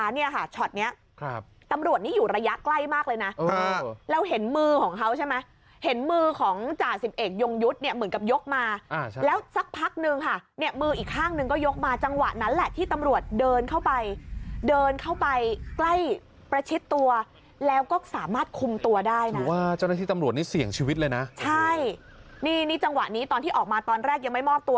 นั่งไงปืนอยู่ข้างนะครับ